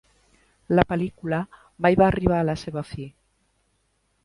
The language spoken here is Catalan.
La pel·lícula mai va arribar a la seva fi.